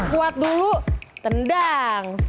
kuat dulu tendang